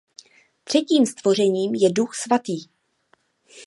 Třetím stvořením je Duch svatý.